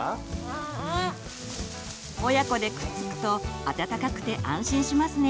親子でくっつくと暖かくて安心しますね。